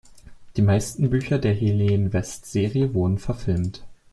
Die meisten Bücher der Helen-West-Serie wurden verfilmt.